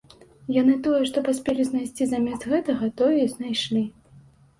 Яны тое, што паспелі знайсці замест гэтага, тое і знайшлі.